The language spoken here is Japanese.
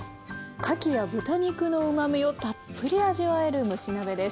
かきや豚肉のうまみをたっぷり味わえる蒸し鍋です。